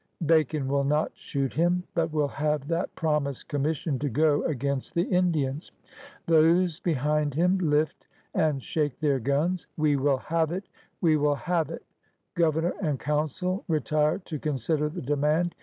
*' Bacon will not shoot him, but will have that promised commission to go against the Indians. Those behind him lift and shake their gmis. ^^ We will have it! We will have it! Governor and Council retire to consider the demand.